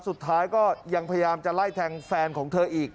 สุดท้ายก็ยังพยายามจะไล่แทงแฟนของเธออีก